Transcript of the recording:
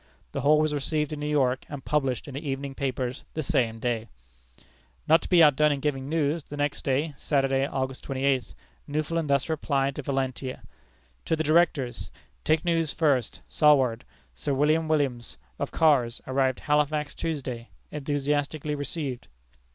The whole was received in New York, and published in the evening papers the same day. Not to be outdone in giving news, the next day, Saturday, August twenty eighth, Newfoundland thus replies to Valentia: "To the Directors: Take news first, Saward. Sir William Williams, of Kars, arrived Halifax Tuesday. Enthusiastically received.